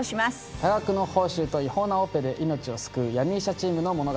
多額の報酬と違法なオペで命を救う闇医者チームの物語